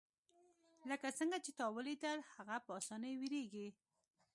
لکه څنګه چې تا ولیدل هغه په اسانۍ ویریږي